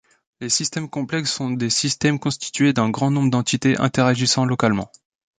Les systèmes complexes sont des systèmes constitués d’un grand nombre d’entités interagissant localement.